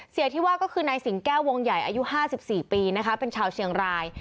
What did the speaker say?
เสียที่ว่าก็คือนายสิงแก้ววงใหญ่อายุ๕๔ปีนะคะเป็นชาวเชียงราย